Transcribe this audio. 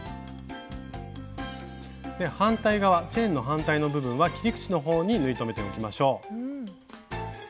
で反対側チェーンの反対の部分は切り口の方に縫い留めておきましょう。